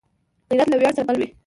غیرت له ویاړ سره مل وي